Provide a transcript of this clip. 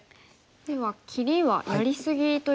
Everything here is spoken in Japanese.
では切りはやり過ぎということでしょうか？